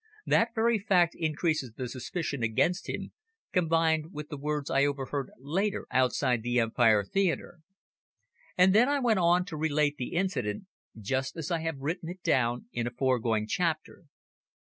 "That very fact increases the suspicion against him, combined with the words I overheard later outside the Empire Theatre." And then I went on to relate the incident, just as I have written it down in a foregoing chapter.